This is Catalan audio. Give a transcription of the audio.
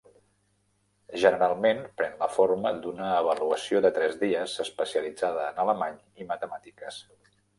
Generalment pren la forma d'una avaluació de tres dies especialitzada en alemany i matemàtiques.